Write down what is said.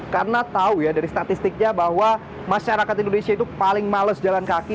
karena tahu ya dari statistiknya bahwa masyarakat indonesia itu paling males jalan kaki